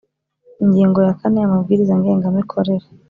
Ingingo ya kane Amabwiriza Ngengamikorere